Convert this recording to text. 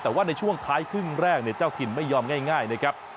แต่ว่าในช่วงท้ายครึ่งแรกเนี่ยเจ้าถิ่นไม่ยอมง่ายนะครับ